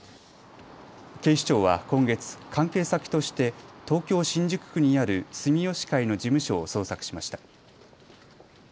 警視庁は今月、関係先として東京新宿区にある住吉会の事務所を捜索しました。